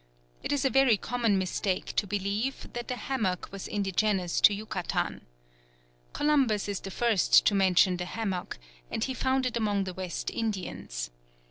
It is a very common mistake to believe that the hammock was indigenous to Yucatan. Columbus is the first to mention the hammock, and he found it among the West Indians.